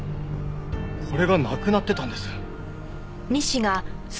これがなくなってたんです。